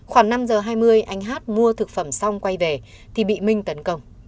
khoảng năm giờ hai mươi anh hát mua thực phẩm xong quay về thì bị minh tấn công